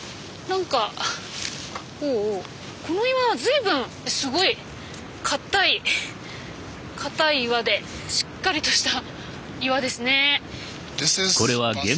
この岩は随分すごい硬い硬い岩でしっかりとした岩ですね。